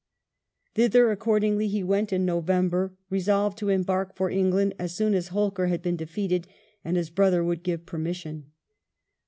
Thither, accordingly, he went in November, resolved to embark for England as soon as Holkar had been defeated and his brother would give permission.